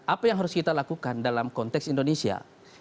apa yang harus kita lakukan dalam konteks indonesia